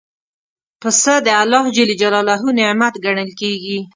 پسه د الله نعمت ګڼل کېږي.